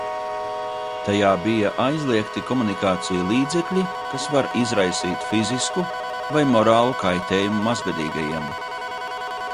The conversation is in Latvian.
Tajā bija aizliegti komunikāciju līdzekļi, kas var izraisīt fizisku vai morālu kaitējumu mazgadīgajiem.